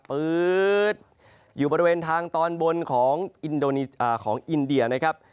ปื๊ดอยู่บริเวณทางตอนบนของอินเดีย